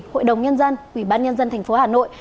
hội đồng nhân dân ủy ban nhân dân tp hà nội